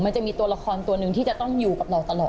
มันจะมีตัวละครตัวหนึ่งที่จะต้องอยู่กับเราตลอด